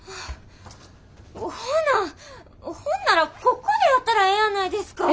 ほなほんならここでやったらええやないですか。